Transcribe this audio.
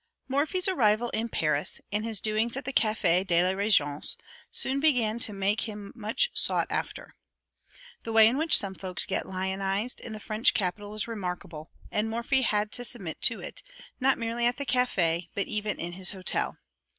Morphy's arrival in Paris, and his doings at the Café de la Régence, soon began to make him much sought after. The way in which some folks get lionized in the French capital is remarkable, and Morphy had to submit to it, not merely at the café, but even in his hotel.